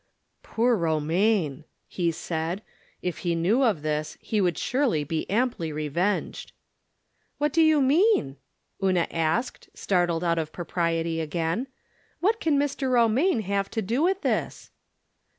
" Poor Romaine !" he said. " If he knew of this, he would surely be amply revenged." "What do you mean?" Una asked, startled From Different Standpoints. 255 out of propriety again. " What can Mr. Romaine have to do with this